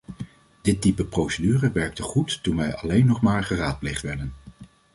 Dit type procedure werkte goed toen wij alleen nog maar geraadpleegd werden.